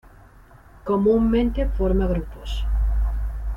Comúnmente forma grupos.